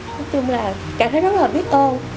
nói chung là cảm thấy rất là biết ô